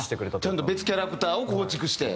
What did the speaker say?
ちゃんと別キャラクターを構築して？